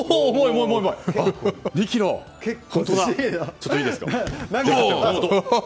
ちょっといいですか。